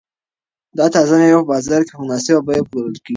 دا تازه مېوې په بازار کې په مناسبه بیه پلورل کیږي.